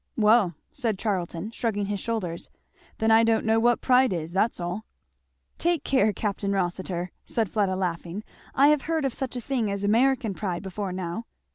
"Well," said Charlton shrugging his shoulders, "then I don't know what pride is that's all!" "Take care, Capt. Rossitur," said Fleda laughing, "I have heard of such a thing as American pride before now."